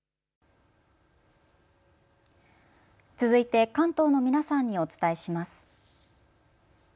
続いて関東の皆さんにお伝えします。